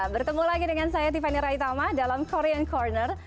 bertemu lagi dengan saya tiffany raitama dalam korean corner